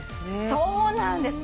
そうなんです